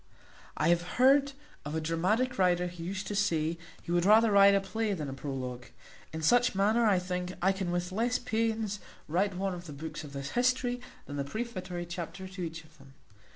I have heard of a dramatic writer who used to say, he would rather write a play than a prologue; in like manner, I think, I can with less pains write one of the books of this history than the prefatory chapter to each of them.